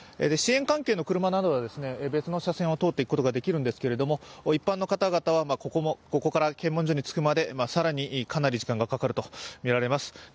支援関係の車などは別の車線を通っていくことができるんですが、一般の方々はここから検問所に着くまでかなり時間がかかるとみられます。